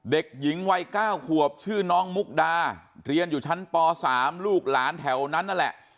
เด็กหญิงวัย๙ขวบชื่อน้องมุกดาเรียนอยู่ชั้นป๓ลูกหลานแถวนั้นนั่นแหละ